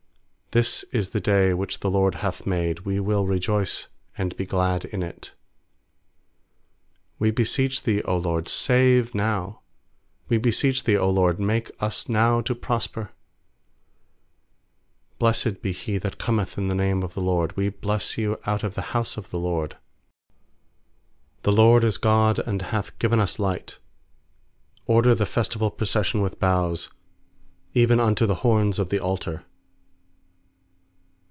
24This is the day which the LORD hath made; We will rejoice and be glad in it. 25We beseech Thee, 0 LORD, save now! We beseech Thee, 0 LORD, make us now to prosper! 26Blessed be he that cometh in the name of the LORD; We bless you out of the house of the LORD. 27The LORD is God, and hath given us light; Order the festival procession with boughs, even unto the horns of the altar.